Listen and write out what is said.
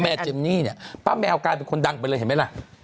เจมนี่เนี่ยป้าแมวกลายเป็นคนดังไปเลยเห็นไหมล่ะ